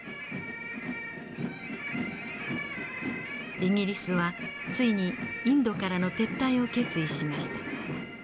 イギリスはついにインドからの撤退を決意しました。